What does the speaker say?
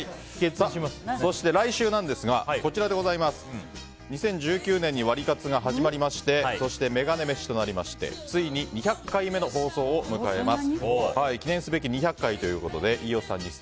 そして、来週なんですが２０１９年にワリカツが始まりましてそしてメガネ飯となりましてついに２００回目の放送を迎えます。